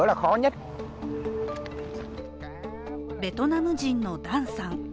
ベトナム人のダンさん。